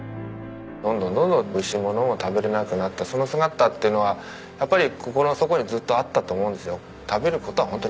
どんどんどんどんおいしいものも食べれなくなったその姿っていうのはやっぱり心の底にずっとあったと思うんですよ。